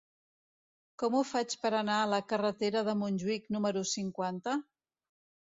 Com ho faig per anar a la carretera de Montjuïc número cinquanta?